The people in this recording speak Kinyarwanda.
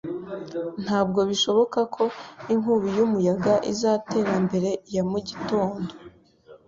Ntabwo bishoboka ko inkubi y'umuyaga izatera mbere ya mu gitondo.